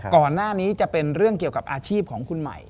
ก่อนหน้านี้จะเป็นเรื่องเกี่ยวกับอาชีพของคุณใหม่